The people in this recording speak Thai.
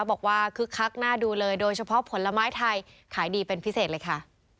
คึกคักน่าดูเลยโดยเฉพาะผลไม้ไทยขายดีเป็นพิเศษเลยค่ะ